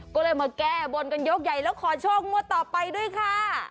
ก็เลยมาแก้บนกันยกใหญ่แล้วขอโชคงวดต่อไปด้วยค่ะ